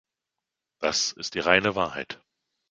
Das ist die reine Wahrheit.